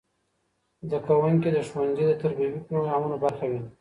زدهکوونکي د ښوونځي د تربیوي پروګرامونو برخه وي.